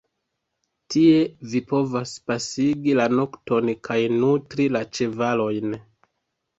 Tie vi povas pasigi la nokton kaj nutri la ĉevalojn.